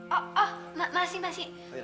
oh masih masih masih ada